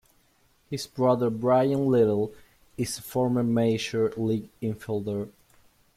His brother Bryan Little is a former major league infielder.